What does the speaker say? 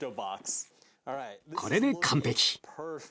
これで完璧。